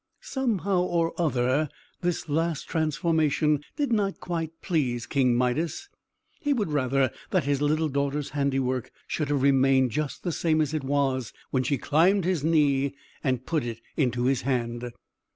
Somehow or other, this last transformation did not quite please King Midas. He would rather that his little daughter's handiwork should have remained just the same as when she climbed his knee and put it into his hand.